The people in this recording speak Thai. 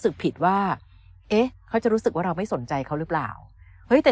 รู้สึกผิดว่าเอ๊ะเขาจะรู้สึกว่าเราไม่สนใจเขาหรือเปล่าเฮ้ยแต่